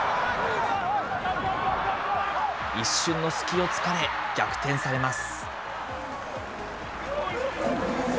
一瞬の隙をつかれ、逆転されます。